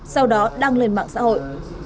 sau đó đăng lên mạng xã hội